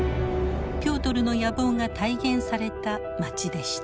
ピョートルの野望が体現された街でした。